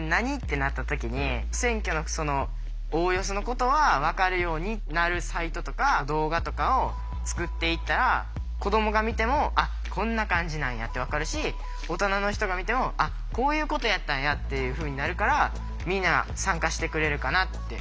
なった時に選挙のおおよそのことはわかるようになるサイトとか動画とかを作っていったら子どもが見ても「あっこんな感じなんや」ってわかるし大人の人が見ても「あっこういうことやったんや」っていうふうになるからみんな参加してくれるかなって。